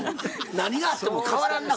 何があっても変わらんなぁ